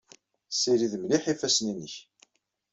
Ssirid mliḥ ifassen-nnek.